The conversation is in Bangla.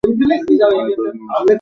পায়ে ধরে তো নমস্কারটা কর।